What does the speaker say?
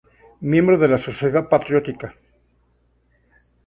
Miembro de la Sociedad Patriótica.